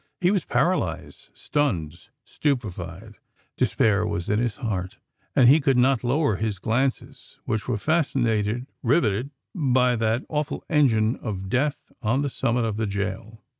He was paralysed—stunned—stupified. Despair was in his heart;—and he could not lower his glances, which were fascinated—rivetted by that awful engine of death on the summit of the gaol.